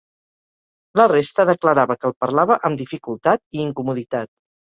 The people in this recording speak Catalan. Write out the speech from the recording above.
La resta declarava que el parlava amb dificultat i incomoditat.